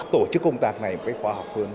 tổ chức công tác này phải khoa học hơn